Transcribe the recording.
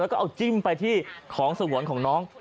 แล้วก็เอาจิ้มไปที่ของสงวนของน้อง